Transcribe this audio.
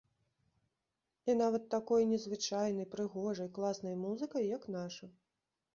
І нават такой незвычайнай, прыгожай, класнай музыкай, як наша.